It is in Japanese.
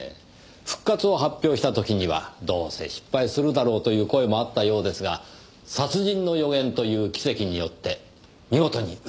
復活を発表した時にはどうせ失敗するだろうという声もあったようですが殺人の予言という奇跡によって見事に復活を果たしました。